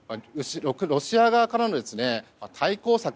ロシア側からの対抗策